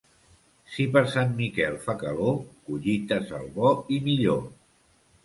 Si per Sant Miquel fa calor, collites al bo i millor.